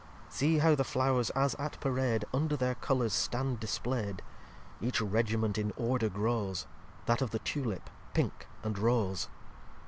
See how the Flow'rs, as at Parade, Under their Colours stand displaid: Each Regiment in order grows, That of the Tulip, Pinke, and Rose.